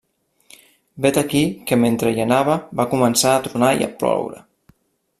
Vet aquí que mentre hi anava va començar a tronar i a ploure.